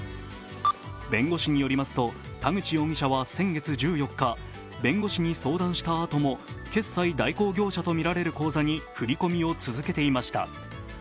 弁護士によりますと、田口容疑者は先月１４日、弁護士に相談したあとも決済代行業者とみられる口座に振り込みを続けていました。